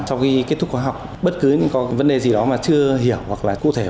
sau khi kết thúc khóa học bất cứ vấn đề gì đó mà chưa hiểu hoặc là cụ thể